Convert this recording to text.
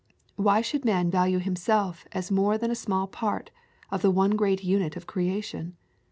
Why should man value himself as more than a small part of the one great unit of creation?